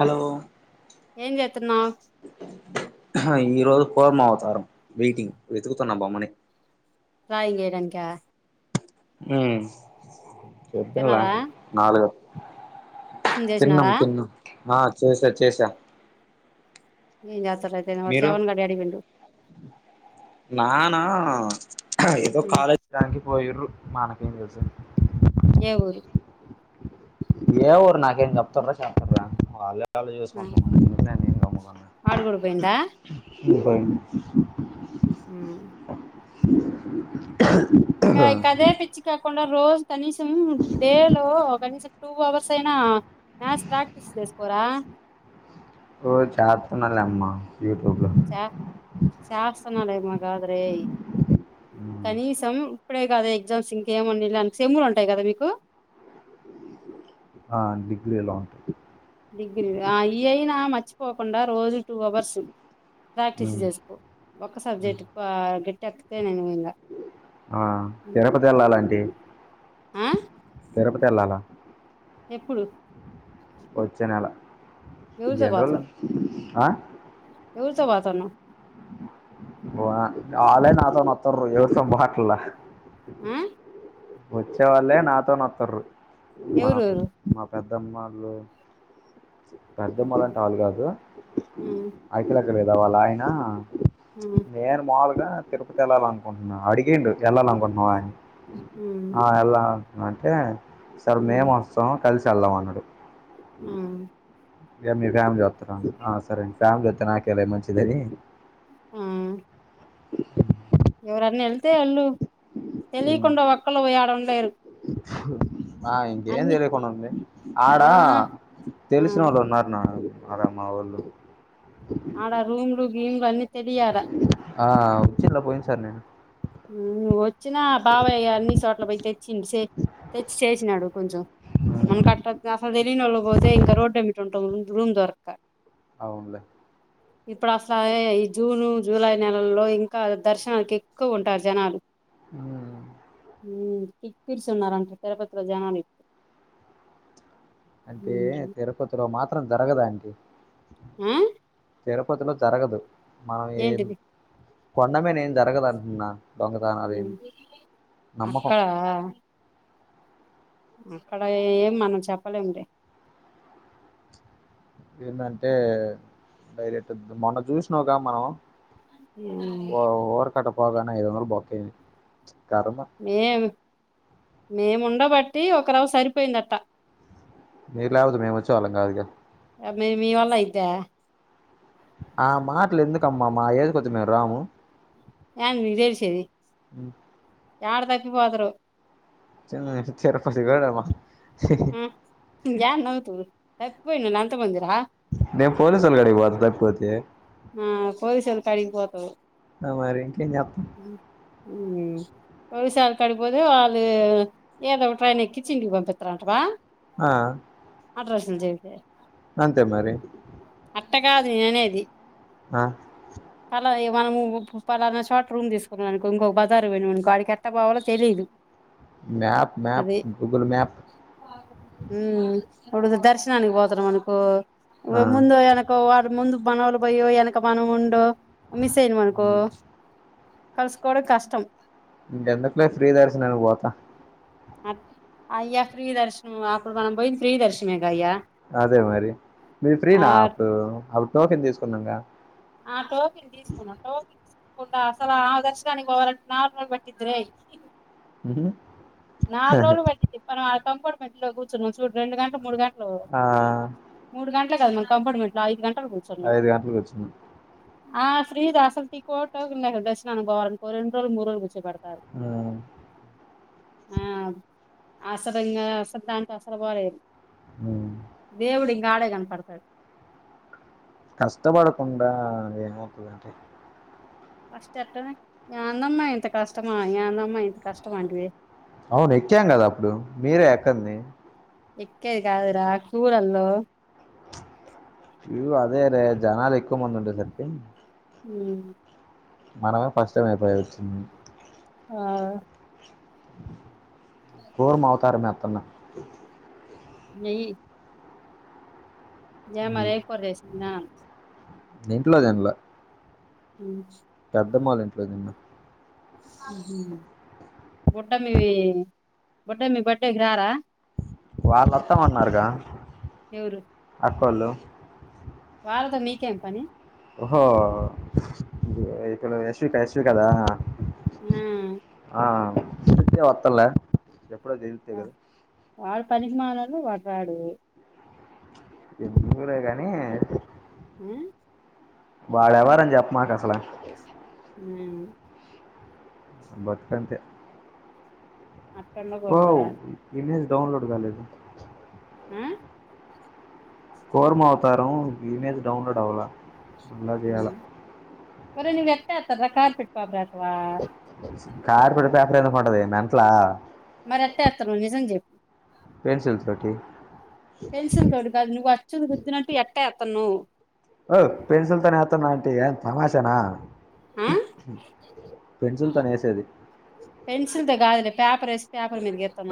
Hello ఏం చేతున్నావు ఆహ ఈ రోజు పోర్మావతారంం వెయిటింగ్ వెతుకుతున్నా బమ్మనే డ్ర్రాయింగ్ ఏయడనికా ఊ చెప్పిండ్ల తిన్నారా నాలుగు టిఫిన్ తిన్నాం చేసినారా తిన్నాం ఆ చేసా చేసా ఏంజెతాడయితేనే మీరు వాడు [unintelligible] అడిగిండు నానా ఏదో కాలేజ్ దానికి పోయిరు మనకెం తెలుసు ఏ ఊరు ఏ ఊరు నాకు ఎం చెప్తూరా చెప్పట్ల వాళ్లే కాలేజ్ యేసుకుంటానం వాడు కూడా పోయిండా [unintelligible] ఊహు ఇంకా కా కదే పిచ్చి కాకుండా రోజు కనీసం డే లో కనీసం టూ అవర్స్ అయినా మ్యాచ్ ప్రాక్టీస్ చేసుకోరా ఓ చేతున్నాలేమ్మ యూట్యూబ్ లో శా శాసనాలయమ కాదురేయ్ కనీసం ఇప్పుడే కాదు ఎగ్జామ్స్ ఇంకేమనిళ్ళ సమ్ములు ఉంటాయి కదా మీకు ఆ డిగ్రీ లో ఉంటాయి డిగ్రీ ఆ ఇయయినా మర్చిపోకుండా రోజు టూ అవర్స్ ఉంటాయి ప్రాక్టీస్ చేసుకో ఒక్క సబ్జెక్ట్ కు ఆ గట్టెక్కితే నేను పోయింగా ఆ తిరుపతి వెళ్లాలంటీ ఆ తిరుపతెల్లాల ఎప్పుడు వచ్చే నెల ఎవరితో ఎన్నీ రోజులు ఆ ఎవురితో పోతున్నావ్ వా ఆల్లే నాతోనొత్తురు ఎవరితో పోట్లా ఆ వచ్చే వాళ్ళే నాతోనత్తరు మా పెద ఎవరెవరు మా పెద్దమ్మాళ్ళు ఉమ్ పెద్దమ్మలంటె ఆలు కాదు ఉమ్ అకిలక్క లేదా వాళ్ళ ఆయన నేను మాములుగా తిరుపతి వెళ్ళాలనుకుంటున్నా అడిగిండు వెళ్లాలనుకుంటున్నావా అని ఉమ్ ఆ ఎలా అంటే సార్ మేము ఉమ్ వస్తాం కలిసి వెళ్దాం అన్నాడు ఉమ్ ఏ మీ ఫ్యామిలీ వస్తారా ఆ సరే ఫ్యామిలీ వస్తె నాకే మంచిదని ఆ ఎవరన్న వెళితే వాళ్ళు తెలియకుండా ఒక్కళ పోయాడుండలేరు ఇ ఆ ఇంకేం తెలియకుండా ఉంది ఆడ ఆ ఆ తెలిసిన వాళ్ళు ఉన్నారు నాకు అదే మా వోళ్ళు ఆడ రూమ్లు గీమ్లు అన్ని తెలియడా ఆ వచ్చిల్లా పోయిన్ సారి నేను ఊ వచ్చినా బాబాయ్య అన్ని చోట్ల పోయి తెచ్చింది సె తెచ్చి చేసినాడు కొంచెం మన కట్ట అసలు తెలీనోళ పోతే ఇంకా రోడ్ ఎమ్మిట్ ఉంటం రూమ్ దొరక అవునులే ఇప్పుడు అసలు ఈ జూను జూలై నెలల్లో ఇంకా దర్శనానికి క్కువ ఉంటారు జనాలు ఆ ఊ కిక్కిరిసి ఉన్నారంట తిరుపతిలో జనాలు అంటే ఉమ్, తిరుపతిలో మాత్రం జరగదాంటి ఆ తిరుపతిలో జరగదు మనం ఏం ఏంటిది కొండమీనేమ్ జరగదు అంటున్నా దొంగతనాలు ఏమి ఉమ్, నమ్మకం అక్కడ అక్కడ ఏం మనం చెప్పలేము లే ఏందంటే డైరెట్ మొన్న చూసినావుగా మనం ఓ ఓర్ కట్ట పోగానే ఐదు వందలు బొక్కయ్యింది కర్మ మేం మేము ఉండబట్టి ఒకరవ్వ సరిపోయిందట్ట మీరు లేకపోతే మేం వచ్చే వాళ్ళం కాదుగా అది మీ మీ వల్ల అయిద్దా ఆ మాటలు ఎందుకమ్మా మా ఏజ్ కొద్ది మేం రాము యాంది మీక్ తెలిసేది యాడ తప్పి పోదురో చిన్న తిరుపతి కాడ ఊ ఇంగ్యాడ నవ్వుతావ్ లే తప్పిపోయినవ్ నా అంత మందిలా నే పోలీసోళ్ళ కాడికి పోతకపోతే ఆ పోలీస్ వోళ్ళకాడికి పోతావ్ అ మరి ఇంకేం జేత్తం ఊ పోలీస్ ఆళ్ళ కాడికి పోతే వాళ్ళు ఏదో ఒక ట్రైన్ ఎక్కిచ్చి ఇంటికి పంపిత్తరు అంటావా ఆ అడ్రస్న్ జేపే అంతే మరి అట్ట కాదు నేన్ అనేది ఆ పలా యో మనము పలానా చోట రూమ్ తీసుకున్నాము అనుకో ఇంకోక బజారు పోయినామనుకో ఆడికి ఎట్టపోవాలో తెలీదు తెలియదు మ్యాప్ మ్యాప్ గూగుల్ మ్యాప్ మ్మ్ ఇప్పుడు దర్శనానికి పోతున్నామనుకో ఆ ముందో ఎనకో వాడు ముందుకు మనవాళ్ళు పోయో ఎనక మనం ఉండో మిస్ అయినాం అనుకో కలుసుకోవడం కష్టం ఇంకెందుకులే ఫ్రీ దర్శనానికి పోత అట్ అయ్యా ఫ్రీ దర్శనం అప్పుడు మనం పోయింది ఫ్రీ దర్శనమే గా అయ్యా అదే మరి మీరు ఫ్రీనా ఆ అప్పుడు అప్పుడు టోకెన్ తీసుకున్నాంగా ఆ టోకన్ తీసుకో తీసుకున్న టోకెన్ తీసుకోకుండా అసలు ఆ దర్శనానికి పోవాలి అంటే నాలుగు గంటలు పట్టిద్ధి రే ఊహు నాలుగు రోజులు పట్టిద్ది మనం ఆ కంపార్ట్మెంట్ లో కూర్చునాం చూడు రెండు గంటలు మూడు గంటలు ఆ మూడు గంటలు కాదు మేం కంపార్ట్మెంట్ లో ఐదు గంటలు కూర్చున్నాం ఐదు గంటలు కూర్చున్నా ఆ ఫ్రీ దా అసలు టికోటో ఉండదు దర్శనానికి పోవాలనుకో రెండు రోజులు మూడు రోజులు కూర్చోపెడతారు ఆ ఆ అసరింగా అసలు దానికస్సలు పోలేదు మ్మ్. దేవుడి ఇంకాడే కనపడతాడు. కష్టపడకుండా ఏమవుతుందండి. ఫస్ట్ చెట్ట నాన్నమ్మ ఇంత కష్టమా నాన్నమ్మ ఇంత కష్టమా అండి వే. అవును ఎక్కాం కదా అప్పుడు మీరే ఎక్కన్ది. ఎక్కేది కాదరా చూరల్ల్లో. ఇ అదే రే జనాలు ఎక్కువ మంది ఉండే సరికి. ఉ. మనమే ఫస్ట్ అయిపోయి వచ్చుంది. ఆ. కుర్మా అవతారము వేస్తున్న. ఎయ్యి. ఏ మరి ఏం కూర చేస్తున్నా. ఇంట్లో తినలా. ఉ. పెద్దమ్మ వాళ్ళ ఇంట్లో తిన్న. మ్మ్ బుట్ట బేబీ బుట్టమి బర్త్డేకి రారా. వాళ్ళవాస్తాం అన్నారుగా. ఎవరు. అక్కోళ్లు. వాళ్ళతో నీకు ఎం పని. ఓహో ఇక్కడ యశ్వి ఎస్ వి కదా. హ. ఆ ఇప్పుడేవర్తలే ఎప్పుడ అది. వాడు పనికిమాలోడు వాడు రాడు. ఎందు ఊరే కానీ. హ. వాడెవరం చెప్ప మాకు అసల. హ. బతుకంతే. అక్కనువ్. పో ఇమేజ డౌన్లోడ్ రాలేదు. హ. కోర్మ అవుతారు ఇమేజ్ డౌన్లడ్ అవలా. ఒరేయ్ నువ్వు ఎత్త అతార కార్పిట్ బబ్ర అత్వా. కార్పెడు పపర్ ఎందుకు ఉంటది మెంటలా. మరి అంతే అత్త నువ్వు నిజం చెప్పు. పెన్సిల్స్ తోటి. పెన్సిల్ తోడు కాదు నువ్వు వచ్చ గుద్ద్దిననట్టు ఎట్టా ఎత్తన్నావ్. ఓ పెన్సిల్ తనే అతన్నా అంటంటి ఏ తమాషానా. ఆ పెన్సిల్ తోనే ఏసేది. పెన్సిల్తో కాదులే పేపర్ ఎస్. పేపర్ మీద గిత్తవ్.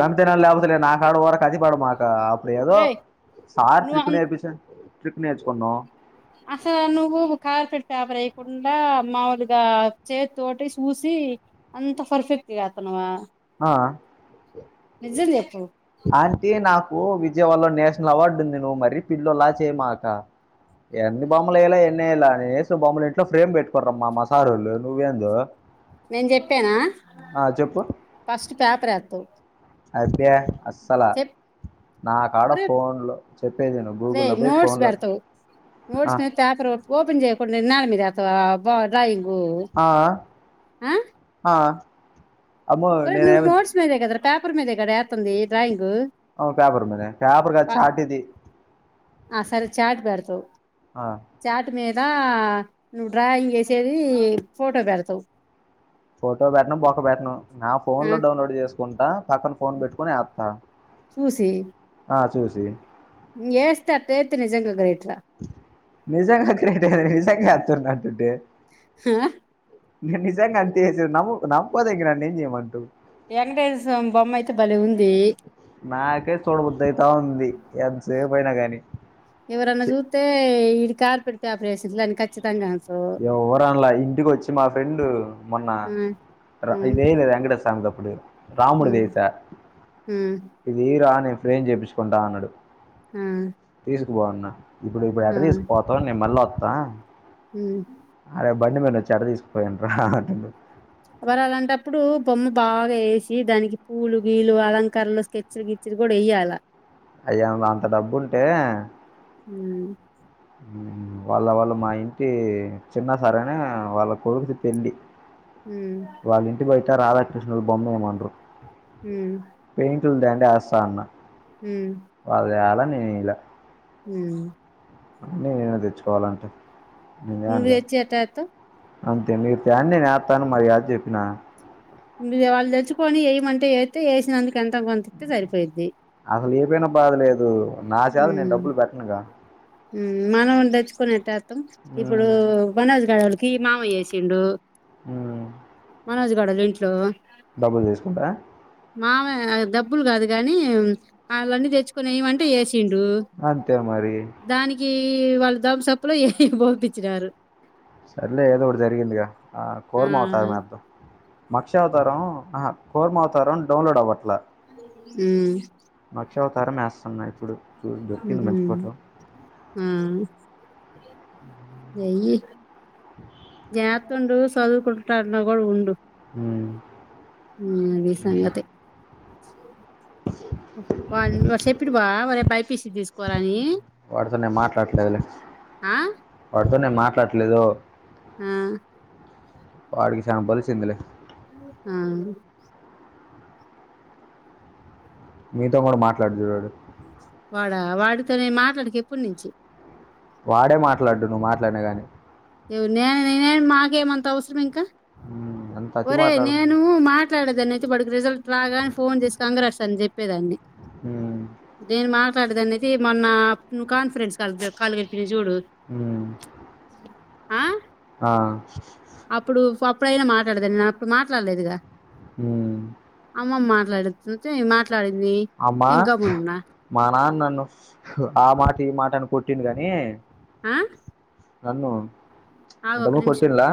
రంతనా లాభస లే నాకు ఆడ ఊరికే అతి పడమాక అప్పుడి ఏదో. ఒరేయ్ సార్ ట్రిక్ నువ్వు నేర్పిస్తే ట్రిక్ నేర్చుకున్నాం. అసలు నువ్వు కార్పెట్ పేపర్ ఏయ్యకుండా మాములుగా చే తోటి చూసి అంత పర్ఫెక్ట్గా ఎత్తనవ ఆ చెప్పు ఆంటీ నాకు విజయవాలో నేషనల్ అవార్డు ఉంది నువ్వు మరీ పిల్లొల్ల చేయమాక ఎన్ని బొమ్మలు ఏయ్యలే ఎన్ని ఏలా నే ఏసు బొమ్మలు ఇంట్లో ఫ్రేమ్ పెట్టుకోరమ్మా మా సారోళ్ళు నువ్వేందొ నేను చెప్పానా చెప్పు ఫస్ట్ పేపర్ వేత్తవు అబ్బే అస్సలా నా కాడ సెపరేట్లే ఫోన్లో చెప్పేది విను గూగుల్లో పోయి ఫోన్లో ఆ, నోడ్స్కు మిద పేపర్ ఓపన్ చేయకుండా నెల మీద ఎత్తవా బా రయ్యివ్వు ఆ, ఆ ఆ అమ్మో ఒరేయి నువ్వు నేనేమి నోట్స్ మీద కదా పేపర్ మీదే కదా ఎత్తంది డ్రాయింగ్ అవు పేపర్ మీద పేపర్ కాదు చాట్ ఇది ఆ సరే చాట్ పెడతావు ఆ చాట్ మీద నువ్వు డ్రాయింగ్ వేసేది ఫోటో పెడతావు ఫోటో పెట్టన్ బొక్క పెట్టన్ నా ఫోన్ ఆ లో డౌన్లోడ్ చేసుకుంటా పక్కన ఫోన్ పెట్టుకుని ఎత్త ఆ చూసి ఎస్తే అట్లా ఎత్తే నిజంగా గ్రేట్ రా నిజంగా గ్రేట్ రే నిజంగా ఎత్తున్న అంటే నీ నిజాంగా అంతే ఎస్సే నమ్ము నమ్మపోతే నన్ను ఏం చేయమంటావ్ వెంకటేసామి బొమ్మ అయితే బలే ఉంది నాకే చూడబుద్దు అయితా ఉంది ఎంతసేపు అయినా గాని ఎవరన్నా చుతే ఇడు కార్పెట్ పేపర్ వేసిండు అని ఖచ్చితంగా అను ఎవ్వరు ఆన్లే ఇంటికి వచ్చి మా ఫ్రెండ్ మొన్న ఆ ర ఆ ఇదే ఏయ్లే వెంకటేసామి అప్పుడు రాముడుది ఉమ్ ఎసా ఉమ్ ఇదిరా నేను ఫ్రేమ్ చేయించుకుంటా అన్నడు ఆ తీసుపో అన్నా ఇప్పుడు ఇప్పుడు ఆ ఎట్టా తీసుకుపోతావు నేను మళ్ళీ వత్త హు అరే బండి మీనుంచి ఎట్టా తీసుకోపోయేను రా అని మరి అలాంటప్పుడు బొమ్మ బాగా ఏసి దానికి పూలు గీలు అలంకరనలు స్కెచ్లు గీ తిరుగుడు ఏయ్యాలా అయ్య అ అంత డబ్బు ఉంటే హు వాళ్ళ వాళ్ళు మా ఇంటి చిన్న సరేనే వాళ్ళ కొడుకు పెళ్లి హు వాళ్ళ ఇంటి బయట రాధాకృష్ణుల బొమ్మ ఏయిమండ్రూ హు పెయింట్ లు తెండి ఏస్తా అన్నా హు వాళ్ళు తేవలా నేను యిలా హు అన్నీ నేను తెచ్చుకోవాలంటే నేను నువ్వు తేవద్ద తెచ్చి ఎట్టా ఏత్తవ్ అంతే మీరూ తెండి నేను ఎత్తాను మరియదగా చెప్పినా ఇగ వాళ్ళు తెచ్చుకొని ఏయిమంటే ఎత్తే ఏసినందుకు ఎంత కొంత ఇత్తే సరిపోయిద్ది అసలు ఏపైయినా బాధ లేదు నా చేత నేను డబ్బులు పెట్టనుగా మ్ మనం తెచ్చుకొని ఎట్టేత్తాం? ఇప్పుడు మ్మ్ బనాజ్ గాడు వాళ్ళకి మావయ్య ఏసిండు. మ్ మనోజ్ గాడోళ్ళ ఇంట్లో డబ్బులు తీసుకుంటార మామ డబ్బులు కాదు కానీ వాళ్లన్ని తెచ్చుకొని ఎయిమంటె ఏసిండు. అంతే మరి దానికి వాళ్ళు దోమసప్పులో ఏ పంపించినారు. సర్లే ఏదో ఒకటి జరిగిందిగా, ఆ కూర్మ అవతారం ఏద్దాం. మక్షావతారం అహ కూర్మావతారం డౌన్లోడ్ అవ్వట్ల. మ్ మక్షావతారం ఏస్తన్న ఇప్పుడు చూసి దొరికింది మంచి మ్హ్ ఫోటో మ్ ఎయ్యి జాత్ ఉండవు చదువుకుంట అన్నావ్ గా ఉండు. మ్ మ్ అది సంగతి. వాని వ సెప్పినావ వరే బైపిసి తీసుకోరా అని వాడితో నేను మాట్లాడట్ లేదులే ఆ వాడితో నేను మాట్లాడట్లేదు మ్ వాడికి శానా బలిసిందిలే. మ్ మీతో కూడ మాట్లాడ్డు చూడు వాడు వాడ వాడితో నేను మాట్లాడక ఎప్పుడునుంచి వాడే మాట్లాడ్డు నువ్వు మాట్లాడినా గానీ, ఎవర్ నేను నేను, మాకేమంత అవసరం ఇంక, ఉమ్, అంత అతి ఒరే మాట్లాడు నేన్ మ్ మాట్లాడేదాన్ని అయితే వాడికి రిజల్ట్ రాగానే ఫోన్ చేసి కంగ్రాట్స్ అని చెప్పేదాన్ని. మ్ నేను మాట్లాడేదన్నయితే మొన్న నువ్ కాన్ఫరెన్స్ క కాల్ కలిపినావ్ చూడు మ్ ఆ ఆ అప్పుడు అప్పుడైనా మాట్లాడేదాన్ని నేను అప్పుడు మాట్లాడలేదుగా మ్ అమ్మమ్మ మాట్లాడితంటే మాట్లాడింది. అమ్మా నేను గమ్మునున్నా మా నాన్న నన్ను ఆ మాట ఈ మాట అని కొట్టిండ గాని, ఆ నన్ను ఆగు ఒక్క ఇంతకుముందు నిమిషం కొట్టిన్లా?